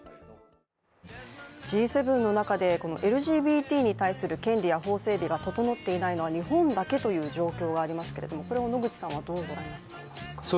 Ｇ７の中で、ＬＧＢＴに対する権利や法整備が整っていないのは日本だけという状況がありますけれども、これを野口さんはどうご覧になっていますか？